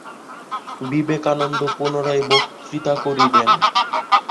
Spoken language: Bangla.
বিবে কানন্দ পুনরায় বক্তৃতা করিবেন।